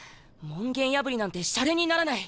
門限破りなんてシャレにならない。